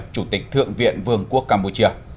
chủ tịch thượng viện vương quốc campuchia